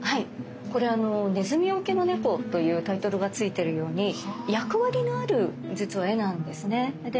これ「鼠よけの猫」というタイトルが付いてるように役割のある実は絵なんですね。